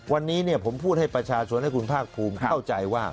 วันนี้ผมพูดให้ประชาชนให้คุณภาคภูมิเข้าใจว่า